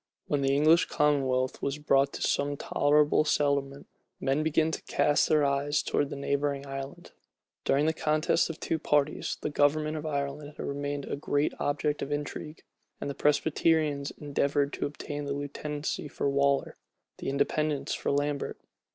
When the English commonwealth was brought to some tolerable settlement, men began to cast their eyes towards the neighboring island. During the contest of the two parties, the government of Ireland had remained a great object of intrigue; and the Presbyterians endeavored to obtain the lieutenancy for Waller, the Independents for Lambert.